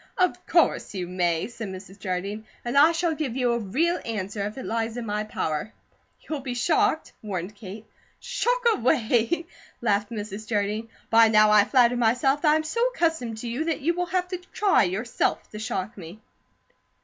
"Of course you may," said Mrs. Jardine, "and I shall give you a 'real' answer if it lies in my power." "You'll be shocked," warned Kate. "Shock away," laughed Mrs. Jardine. "By now I flatter myself that I am so accustomed to you that you will have to try yourself to shock me."